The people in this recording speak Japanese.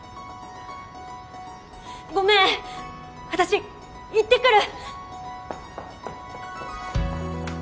ごめん私行ってくる。